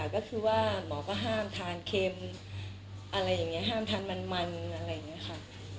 ก็คือว่าหมอก็ห้ามทานเค็มอะไรอย่างนี้ห้ามทานมันอะไรอย่างนี้ค่ะ